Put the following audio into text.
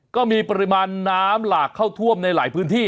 ก็มีปริมาณน้ำหลากเข้าท่วมในหลายพื้นที่